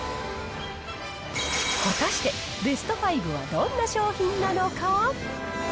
果たしてベスト５はどんな商品なのか。